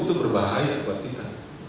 itu berbahaya buat kita